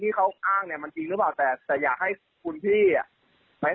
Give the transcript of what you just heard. ที่เขาอ้างเนี่ยมันจริงหรือเปล่าแต่แต่อยากให้คุณพี่อ่ะไหม